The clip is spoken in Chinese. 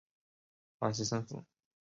阿奇森府。